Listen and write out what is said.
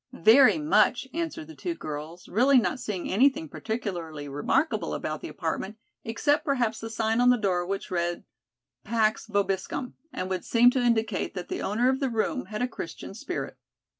"Very much," answered the two girls, really not seeing anything particularly remarkable about the apartment, except perhaps the sign on the door which read "Pax Vobiscum," and would seem to indicate that the owner of the room had a Christian spirit.